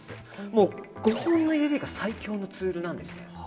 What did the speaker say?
もう、５本の指が最強のツールなんですね。